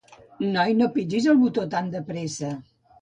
Noi, no pitgis el botó tan de pressa